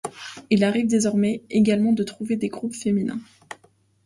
Il arrive désormais également de trouver des groupes féminins.